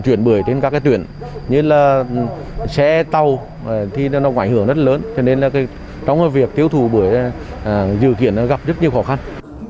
tình hình kinh tế của địa phương